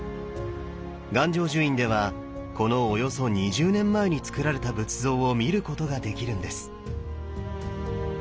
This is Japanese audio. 願成就院ではこのおよそ２０年前につくられた仏像を見ることができるんです。